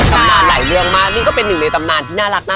ตำนานหลายเรื่องมากนี่ก็เป็นหนึ่งในตำนานที่น่ารักนะ